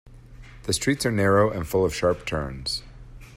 The streets are narrow and full of sharp turns.